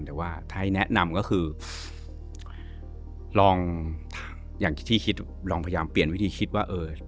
แต่ว่าไทยแนะนำก็คือลองอย่างที่คิดลองพยายามเปลี่ยนวิธีคิดว่าเออ